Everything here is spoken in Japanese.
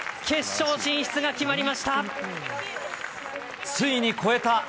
決勝進出が決まりました。